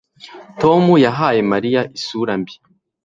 tom yahaye mariya isura mbi